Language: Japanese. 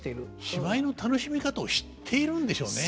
芝居の楽しみ方を知っているんでしょうね。